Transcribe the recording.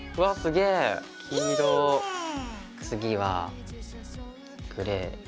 次はグレー。